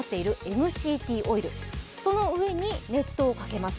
ＭＣＴオイル、その上に熱湯をかけます。